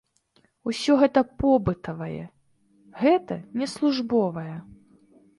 Усё гэта побытавае, гэта не службовае.